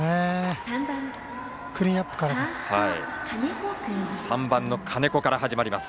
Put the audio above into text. クリーンナップからです。